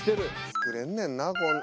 作れんねんなこん。